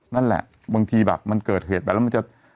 นั่นแหละบางทีแบบมันเกิดเหตุไปแล้วมันจะ